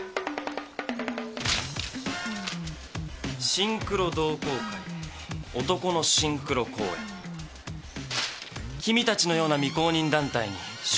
「シンクロ同好会男のシンクロ公演」君たちのような未公認団体に出店の資格はない。